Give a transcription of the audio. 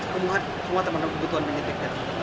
semua teman teman kebutuhan penyidik